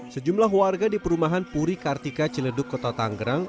sejumlah warga di perumahan puri kartika ciledug kota tanggerang